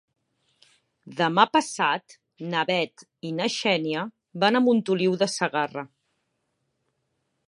Demà passat na Bet i na Xènia van a Montoliu de Segarra.